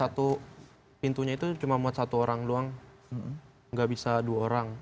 satu pintunya itu cuma buat satu orang doang nggak bisa dua orang